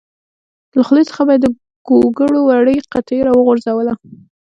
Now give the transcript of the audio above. له خولې څخه به یې د ګوګړو وړه قطۍ راوغورځوله.